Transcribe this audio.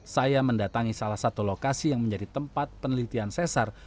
saya mendatangi salah satu lokasi yang menjadi tempat penelitian sesar